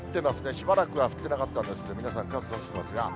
しばらくは降ってなかったんですけど、皆さん、傘差してますが。